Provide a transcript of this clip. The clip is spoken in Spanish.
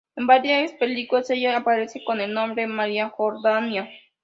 En varias películas ella aparece con el nombre Maria Jordania.